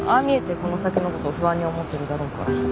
見えてこの先のこと不安に思ってるだろうから。